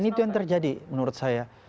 dan itu yang terjadi menurut saya